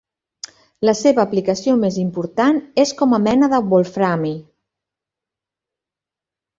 La seva aplicació més important és com a mena de wolframi.